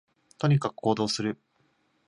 とにかく行動する